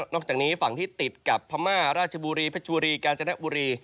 นอกจากหนี้ฝั่งที่ติดกับพม่าราชบุรีเผชยบุรีกาลโชน์แดครกวิรี